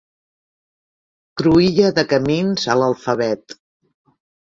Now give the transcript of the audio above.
Cruïlla de camins a l'alfabet.